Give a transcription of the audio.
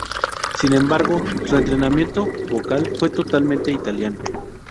Sin embargo, su entrenamiento vocal fue totalmente italiano.